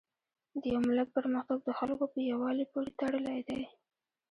د یو ملت پرمختګ د خلکو په یووالي پورې تړلی دی.